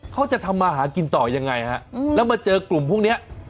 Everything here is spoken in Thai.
เขาจะทำมาหากินต่อยังไงฮะแล้วมาเจอกลุ่มพวกนี้